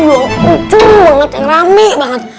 udah utuh banget yang rame banget